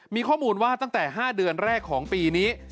มีข้อมูลว่าตั้งแต่๕เดือนแรกของปีนี้